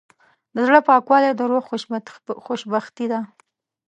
د زړه پاکوالی د روح خوشبختي ده.